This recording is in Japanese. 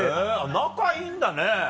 仲いいんだね。